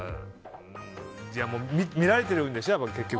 じゃあ見られてるんでしょ、結局。